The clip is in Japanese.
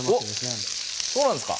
おっそうなんですか？